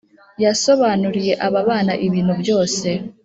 yasobanuriye aba bana ibintu byose